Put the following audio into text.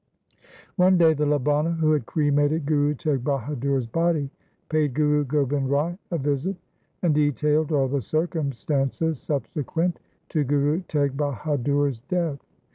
One day the Labana who had cremated Guru Teg Bahadur's body paid Guru Gobind Rai a visit, and detailed all the circumstances subsequent to Guru Teg Bahadur's death.